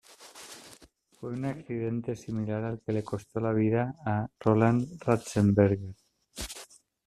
Fue un accidente similar al que le costó la vida a Roland Ratzenberger.